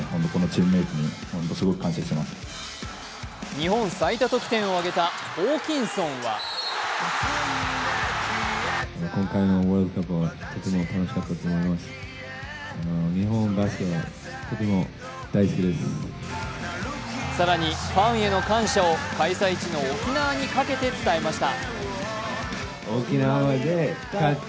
日本最多得点を挙げたホーキンソンは更に、ファンヘの感謝を開催地の沖縄にかけて伝えました。